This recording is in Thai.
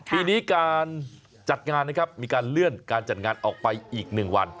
ปีนี้การจัดงานนะครับมีการเลื่อนการจัดงานออกไปอีก๑วัน